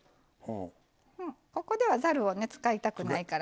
ここではざるを使いたくないから。